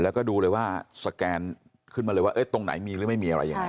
แล้วก็ดูเลยว่าสแกนขึ้นมาเลยว่าตรงไหนมีหรือไม่มีอะไรยังไง